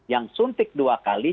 yang suntik dua kali